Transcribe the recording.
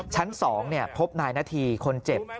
ชั้น๒พบนายนาธีคนเจ็บ